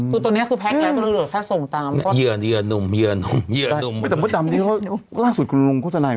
เจ้าตัวเนี้ยคือแพ็คแล้วก็เลยออกแค่ส่งตาม